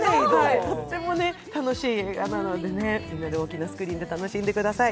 とっても楽しい映画なのでみんなで大きなスクリーンで楽しんでください。